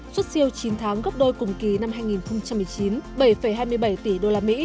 xuất siêu chín tháng gấp đôi cùng kỳ năm hai nghìn một mươi chín bảy hai mươi bảy tỷ usd